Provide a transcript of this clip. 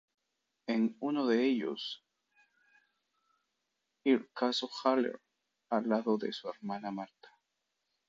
En uno de ellos, "Il caso Haller", al lado de su hermana Marta.